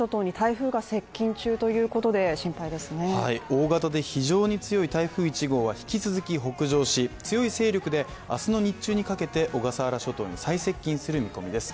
大型で非常に強い台風１号は引き続き北上し、強い勢力で明日の日中にかけて小笠原諸島に最接近する見込みです。